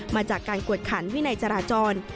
มาจากการกวดขันวินัยจราจร